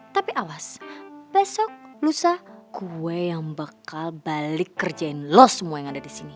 tapi awas besok lusa gue yang bakal balik kerjain lo semua yang ada disini